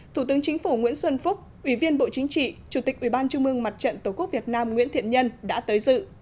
thủ tướng chính phủ nguyễn xuân phúc ủy viên bộ chính trị chủ tịch ubnd tổ quốc việt nam nguyễn thiện nhân đã tới dự